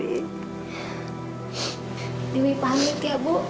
ibu pamit ya bu